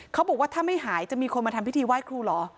เขาบอกว่าถ้าไม่หายจะมีคนมาทำพิธีไหว้ครูเหรอ